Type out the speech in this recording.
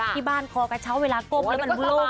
พี่บ้านคอกระเชาะเวลากลบเลยมันบลูกดี